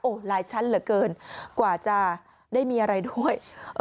หลายชั้นเหลือเกินกว่าจะได้มีอะไรด้วย